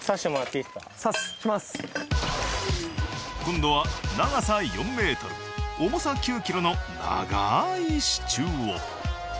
今度は長さ４メートル重さ９キロの長い支柱を。